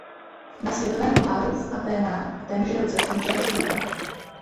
Na světovém poháru v Athénách v témže roce skončila čtvrtá.